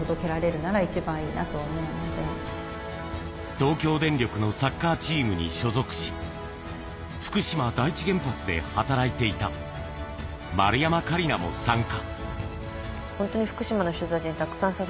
東京電力のサッカーチームに所属し、福島第一原発で働いていた丸山桂里奈も参加。